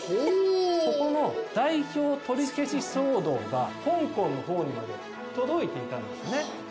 ここの代表取り消し騒動が、香港のほうにまで届いていたんですね。